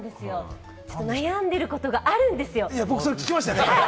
悩んでることがあるんですよ。